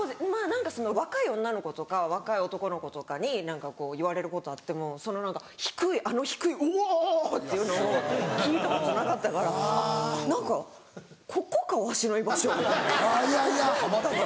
若い女の子とか若い男の子とかに言われることあっても低いあの低いうお！っていうのを聞いたことなかったから何かここかわしの居場所みたいなここやったか。